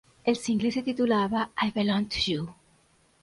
El single se titulaba "I Belong to You".